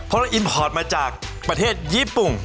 เพราะเราอิมพอร์ตมาจากประเทศญี่ปุ่น